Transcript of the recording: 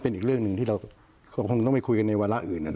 เป็นอีกเรื่องหนึ่งที่เราคงต้องไปคุยกันส่วนอื่น